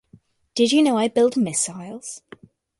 Did you know I build missiles?